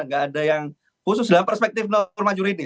gak ada yang khusus dalam perspektif nur majur ini